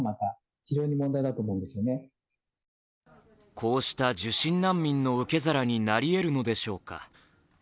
こうした受診難民の受け皿になりえるのでしょうか。